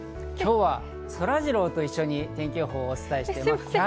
今日はそらジローと一緒に天気予報をお伝えします。